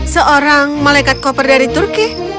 seorang malaikat koper dari turki